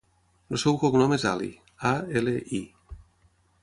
El seu cognom és Ali: a, ela, i.